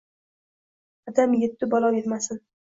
Qadam yettu balo yetmasun!